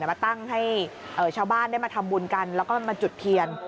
มาตั้งให้ชาวบ้านได้มาทำบุญกันแล้วก็มาจุดเทียน